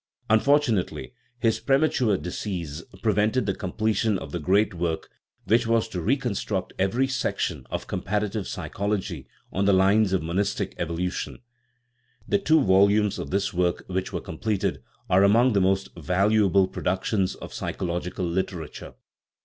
Unfortunate ly, his premature decease prevented the completion of the great work which was to reconstruct every section 105 THE RIDDLE OF THE UNIVERSE of comparative psychology on the lines of monistic evo lution. The two volumes of this work which were com pleted are among the most valuable productions of psychological literature.